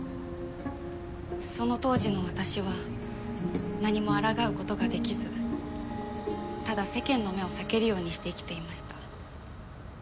その当時の私は何も抗うことが出来ずただ世間の目を避けるようにして生きていました。